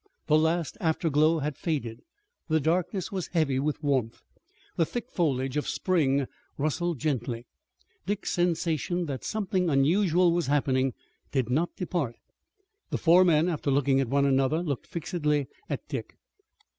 The last afterglow had faded. The darkness was heavy with warmth. The thick foliage of spring rustled gently. Dick's sensation that something unusual was happening did not depart. The four men, after looking at one another, looked fixedly at Dick.